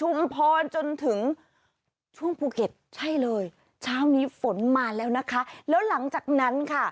ชุมพรจนถึงช่วงภูเก็ตใช่เลยเช้านี้ฝนมาแล้วนะคะแล้วหลังจากนั้นค่ะ